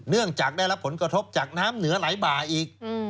เนื่องจากได้รับผลกระทบจากน้ำเหนือไหลบ่าอีก